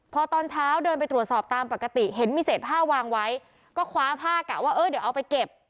พอตอนเช้าเดินไปตรวจสอบตามปกติเห็นมีเศษผ้าวางไว้ก็คว้าผ้ากะว่าเออเดี๋ยวเอาไปเก็บ